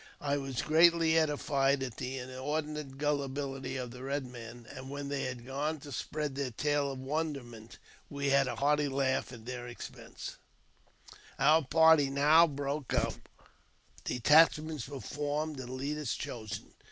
I was greatly edified at the inordinate gulhbility of the red man, and when they had gone to spread their tale of wonderment, we had a hearty laugh at their expense. 128 AUTOBIOGBAPHY OF JAMES P. BECKWOUBTH. Our party now broke up ; detachments were formed and leaders chosen.